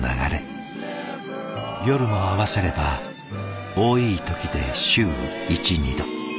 夜も合わせれば多い時で週１２度。